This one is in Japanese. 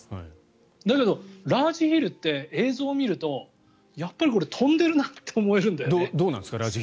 だけど、ラージヒルって映像を見るとやっぱり飛んでるなって思えるんだよね。